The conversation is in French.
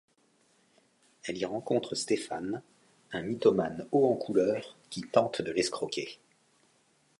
Elle y rencontre Stéphane, un mythomane haut en couleur qui tente de l'escroquer.